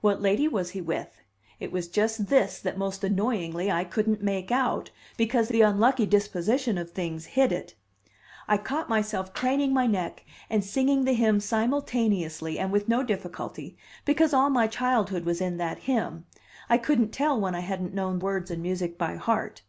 What lady was he with? It was just this that most annoyingly I couldn't make out, because the unlucky disposition of things hid it. I caught myself craning my neck and singing the hymn simultaneously and with no difficulty, because all my childhood was in that hymn; I couldn't tell when I hadn't known words and music by heart.